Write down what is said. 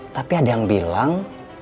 tapi ada yang bilang